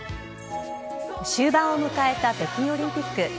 終盤を迎えた北京オリンピック。